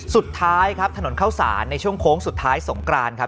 สุดท้ายครับถนนเข้าสารในช่วงโค้งสุดท้ายสงกรานครับ